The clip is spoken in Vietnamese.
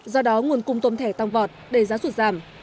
do đó nguồn cung tôm thẻ tăng vọt đầy giá suất giảm